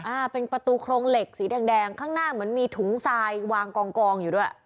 อ่าเป็นประตูโครงเหล็กสีแดงแดงข้างหน้าเหมือนมีถุงทรายวางกองกองอยู่ด้วย